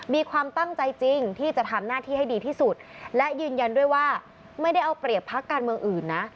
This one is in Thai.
มีความตั้งใจจริงที่จะทำหน้าที่ให้ดีที่สุดและยืนยันด้วยว่าไม่ได้เอาเปรียบพักการเมืองอื่นนะ